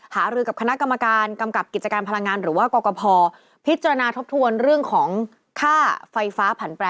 หารือกับคณะกรรมการกำกับกิจการพลังงานหรือว่ากรกภพิจารณาทบทวนเรื่องของค่าไฟฟ้าผันแปร